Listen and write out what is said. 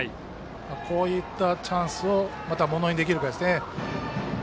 こういったチャンスをものにできるかですね。